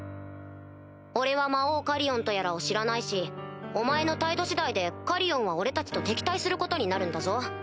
俺は魔王カリオンとやらを知らないしお前の態度次第でカリオンは俺たちと敵対することになるんだぞ？